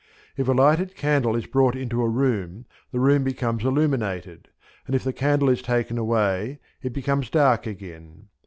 If a lighted candle is brought into a room the room becomes illuminated, and if the candle is taken away it becomes dark again.